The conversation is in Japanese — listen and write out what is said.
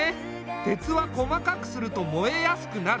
鉄は細かくすると燃えやすくなる。